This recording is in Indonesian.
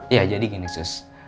ya jadi gini sus